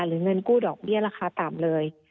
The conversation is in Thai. เงินกู้ดอกเบี้ยราคาต่ำเลย